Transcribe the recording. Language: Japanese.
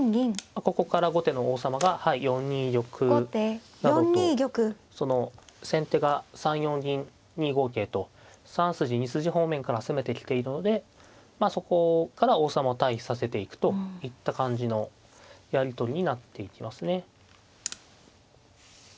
ここから後手の王様が４二玉などと先手が３四銀２五桂と３筋２筋方面から攻めてきているのでそこから王様を退避させていくといった感じのやり取りになっていきますね。